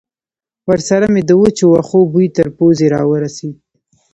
ورسره مې د وچو وښو بوی تر پوزې را ورسېد.